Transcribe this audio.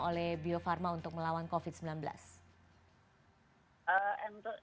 oleh bio farma untuk melawan covid sembilan belas